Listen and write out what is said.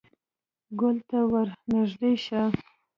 _ګول ته ور نږدې شه.